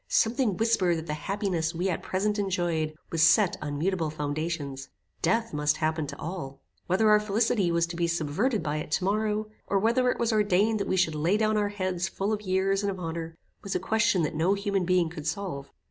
Something whispered that the happiness we at present enjoyed was set on mutable foundations. Death must happen to all. Whether our felicity was to be subverted by it to morrow, or whether it was ordained that we should lay down our heads full of years and of honor, was a question that no human being could solve.